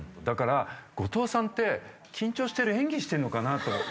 だから後藤さんって緊張してる演技してんのかなと。